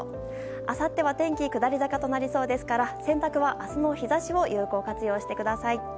あさっては天気下り坂となりそうですから洗濯は明日の日差しを有効活用してください。